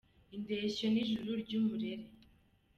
Indeshyo ni ijuru ry’umurere